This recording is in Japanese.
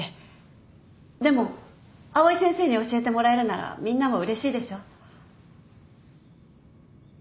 でも藍井先生に教えてもらえるならみんなもうれしいでしょ。